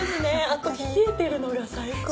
あと冷えてるのが最高！